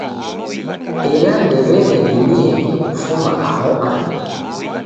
Ela ndew'eredimieghe kufuma aho andu.